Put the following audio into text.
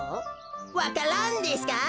わか蘭ですか？